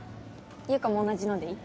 優子も同じのでいい？